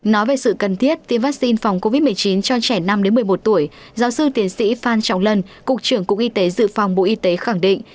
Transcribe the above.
nói về sự cần thiết tiêm vaccine phòng covid một mươi chín cho trẻ năm một mươi một tuổi giáo sư tiến sĩ phan trọng lân cục trưởng cục y tế dự phòng bộ y tế khẳng định